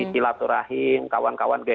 sila surahim kawan kawan geri